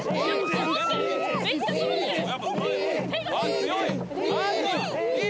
強い！